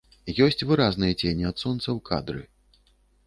Ёсць выразныя цені ад сонца ў кадры.